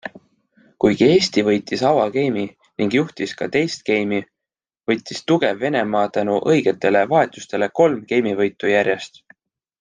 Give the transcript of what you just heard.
Kuigi Eesti võitis avageimi ning juhtis ka teist geimi, võttis tugev Venemaa tänu õigetele vahetustele kolm geimivõitu järjest.